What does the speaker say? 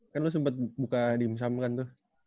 kan lu sempet buka di sama kan tuh